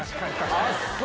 あっ、そう。